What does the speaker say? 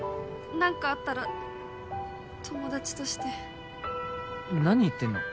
何かあったら友達として何言ってんの？